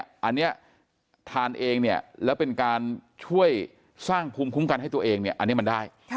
อันนี้ทานเองเนี่ยแล้วเป็นการช่วยสร้างภูมิคุ้มกันให้ตัวเองเนี่ยอันนี้มันได้